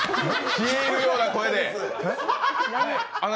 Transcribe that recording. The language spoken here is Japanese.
消えるような声であなた